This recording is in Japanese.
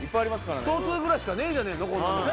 『ストⅡ』ぐらいしかねえんじゃねえの？